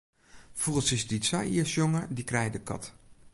Fûgeltsjes dy't sa ier sjonge, dy krijt de kat.